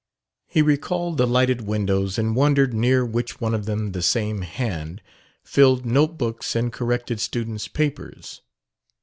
He recalled the lighted windows and wondered near which one of them the same hand filled note books and corrected students' papers.